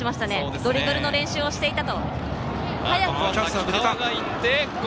ドリブルの連勝していたと。